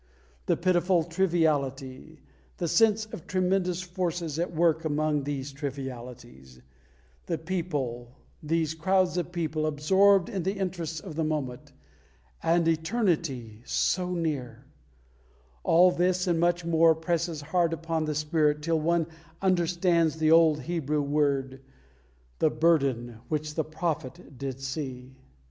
The pitiful triviality, the sense of tremendous forces at work among these trivialities; the people, these crowds of people, absorbed in the interests of the moment and Eternity so near; all this and much more presses hard upon the spirit till one understands the old Hebrew word: "The burden which the prophet did see."